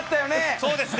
そうですね。